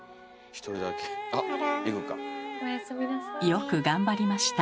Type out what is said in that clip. よく頑張りました。